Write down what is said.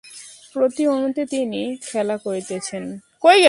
প্রতি অণুতে তিনি খেলা করিতেছেন।